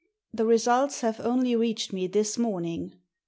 The results have only reached me this morning.